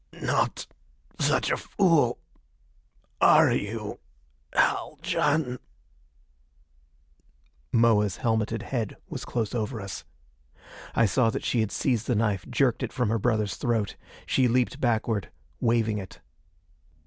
"Not such a fool are you, Haljan " Moa's helmeted head was close over us. I saw that she had seized the knife, jerked it from her brother's throat. She leaped backward, waving it.